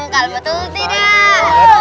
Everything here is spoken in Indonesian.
kalau betul atau tidak